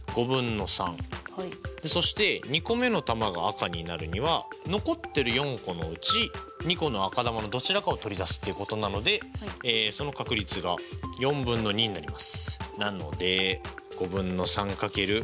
そして２個目の球が赤になるには残ってる４個のうち２個の赤球のどちらかを取り出すっていうことなのでその確率が４分の２になります。